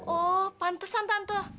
oh pantesan tante